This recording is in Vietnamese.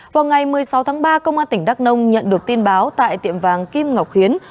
vào ngày một mươi sáu tháng ba công an tỉnh đắk nông nhận được tin báo tại tiệm vàng kim ngọc hiến